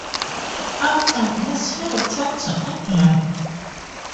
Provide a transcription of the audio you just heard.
After this, he returned to England.